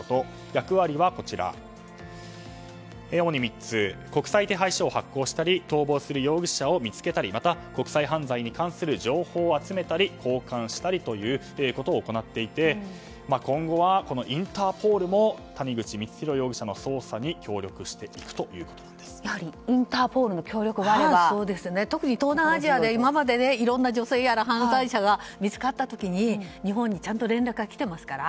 役割は主に３つ国際手配書を発行したり逃亡する容疑者を見つけたりまた、国際犯罪に関する情報を集めたり交換したりということを行っていて今後はインターポールも谷口光弘容疑者の捜査にやはりインターポールの特に東南アジアで今まで、いろいろな女性や犯罪者が見つかった時に日本にちゃんと連絡が来てますから。